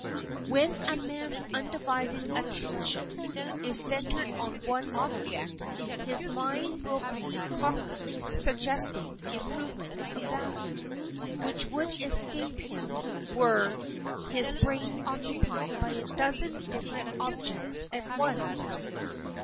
When a man's undivided attention is centered on one object his mind will be constantly suggesting improvements of value, which would escape him were his brain occupied by a dozen different objects at once.